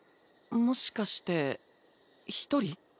もしかして一人？